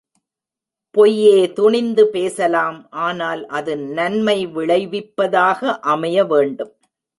பொய்யே துணிந்து பேசலாம் ஆனால் அது நன்மை விளைவிப்பதாக அமையவேண்டும்.